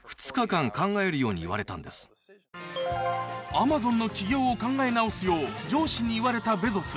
アマゾンの起業を考え直すよう上司に言われたベゾス